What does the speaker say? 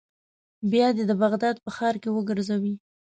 بیا دې د بغداد په ښار کې وګرځوي.